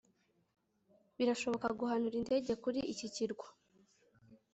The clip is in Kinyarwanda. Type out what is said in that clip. birashoboka guhanura indege kuri iki kirwa